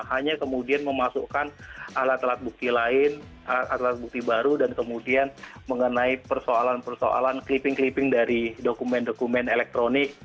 hanya kemudian memasukkan alat alat bukti lain alat bukti baru dan kemudian mengenai persoalan persoalan kliping clipping dari dokumen dokumen elektronik